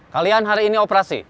kalian hari ini operasi